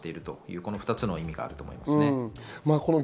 その２つの意味があると思います。